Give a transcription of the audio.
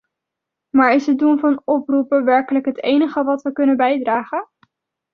Maar is het doen van oproepen werkelijk het enige wat we kunnen bijdragen?